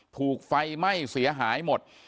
ถูกไฟไหม้เสียหายหมด